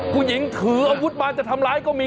ผู้หญิงถืออาวุธมาจะทำร้ายก็มี